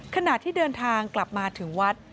ขณะที่เดินทางกลับมาถึงวัด